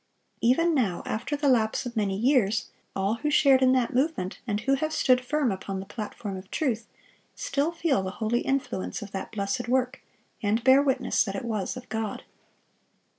Even now, after the lapse of many years, all who shared in that movement and who have stood firm upon the platform of truth, still feel the holy influence of that blessed work, and bear witness that it was of God.